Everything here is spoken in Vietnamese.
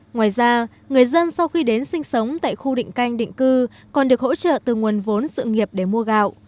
ngoài ra người dân sau khi đến sinh sống tại khu định canh định cư còn được hỗ trợ từ nguồn vốn sự nghiệp để mua gạo